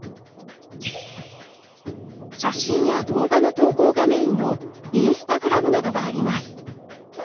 写真や動画の投稿がメインのＩｎｓｔａｇｒａｍなどがあります。